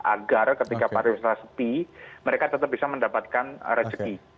agar ketika pariwisata sepi mereka tetap bisa mendapatkan rezeki